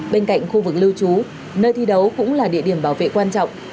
bên cạnh khu vực lưu trú nơi thi đấu cũng là địa điểm bảo vệ quan trọng